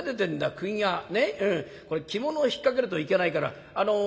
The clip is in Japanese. これ着物を引っ掛けるといけないから打ち込んじまおう。